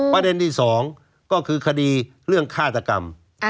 ประเด็นที่๒ก็คือคดีเรื่องฆาตกรรม